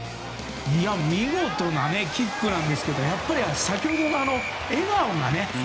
見事なキックなんですが先ほどの笑顔がね。